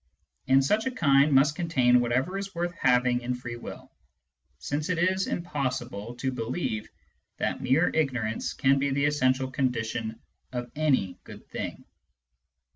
And such a kind must contain whatever is worth having in free will, since it is impossible to believe that mere ignorance can be the essential condition of any good thing.